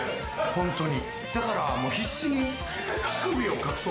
ホントに。